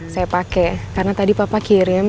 saya pakai karena tadi papa kirim